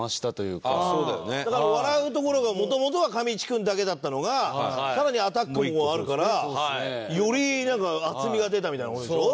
だから笑うところが元々はかみちぃ君だけだったのがさらにアタックもあるからより厚みが出たみたいな事でしょ？